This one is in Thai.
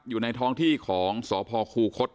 อยู่ในท้องที่ของสพคูคศ